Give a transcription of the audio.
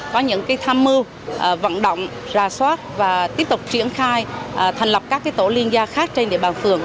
có những tham mưu vận động ra soát và tiếp tục triển khai thành lập các tổ liên gia khác trên địa bàn phường